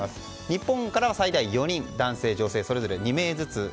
日本からは最大４人男性、女性それぞれ２名ずつ。